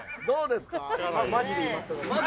どうですか？